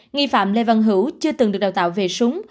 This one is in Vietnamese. nghi phạm lê văn hữu chưa từng được đào tạo về súng